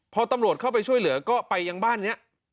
พอตำรวจเข้าไปช่วยเหลือก็ไปยังบ้านนี้